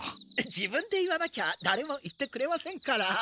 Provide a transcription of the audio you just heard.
自分で言わなきゃだれも言ってくれませんから。